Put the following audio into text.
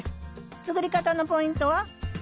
作り方のポイントは？